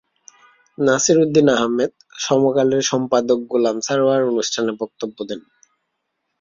নাসির উদ্দিন আহমেদ, সমকালের সম্পাদক গোলাম সারওয়ার অনুষ্ঠানে বক্তব্য দেন।